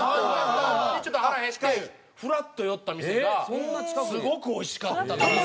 ちょっと腹減ってふらっと寄った店がすごくおいしかったから。